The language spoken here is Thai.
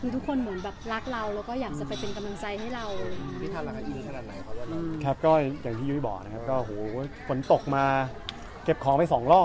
ทุกคนรักเราและอยากเป็นกำลังใจให้เรา